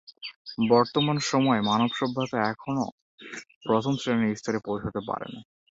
বর্তমান সময়ে মানব সভ্যতা এখনও প্রথম শ্রেণির স্তরে পৌছাতে পারেনি।